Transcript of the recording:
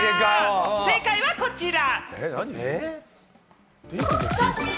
正解はこちら！